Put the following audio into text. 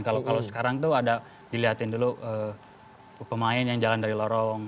kalau sekarang tuh ada dilihatin dulu pemain yang jalan dari lorong